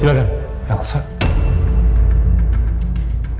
bukannya elsa udah berhasil diculik sama geng agus rimba